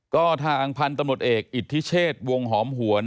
ก็ทางพันธุ์ตำรวจเอกอิทธิเชษวงหอมหวน